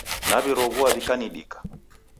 Naw'iroghua w'ikanidika